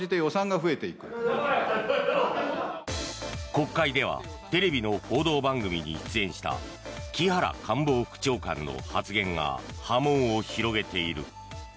国会ではテレビの報道番組に出演した木原官房副長官の発言が波紋を広げている。